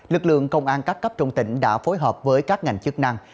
lực lượng công an các cấp trong tỉnh đã phối hợp với các ngành chức năng